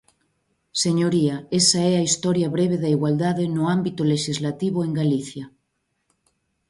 Señoría, esa é a historia breve da igualdade no ámbito lexislativo en Galicia.